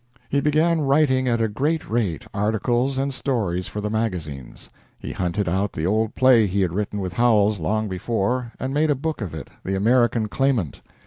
He began writing at a great rate articles and stories for the magazines. He hunted out the old play he had written with Howells long before, and made a book of it, "The American Claimant."